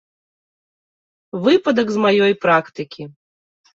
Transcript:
Выпадак з маёй практыкі.